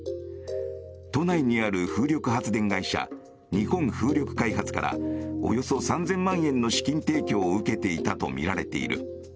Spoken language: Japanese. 都内にある風力発電会社日本風力開発からおよそ３０００万円の資金提供を受けていたとみられている。